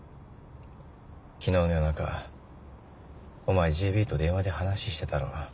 昨日の夜中お前ＪＢと電話で話ししてたろ。